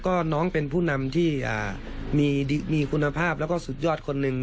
ก็น้องเป็นผู้นำที่มีคุณภาพแล้วก็สุดยอดคนหนึ่ง